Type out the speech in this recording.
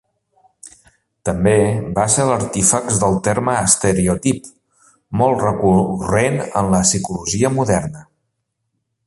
També, va ser l'artífex del terme estereotip, molt recurrent en la psicologia moderna.